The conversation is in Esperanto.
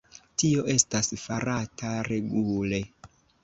Tio estas farata regule.